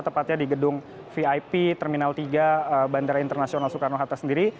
tepatnya di gedung vip terminal tiga bandara internasional soekarno hatta sendiri